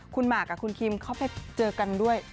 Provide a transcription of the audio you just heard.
คุณหมากกับคุณคิมเข้าไปเจอกันด้วย